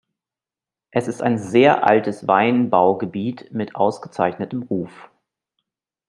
Es ist ein sehr altes Weinbaugebiet mit ausgezeichnetem Ruf.